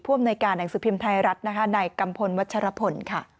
พ่อมนายการหนังสือพิมพ์ไทยรัฐนะคะในกำพลวัชรพนธ์ค่ะ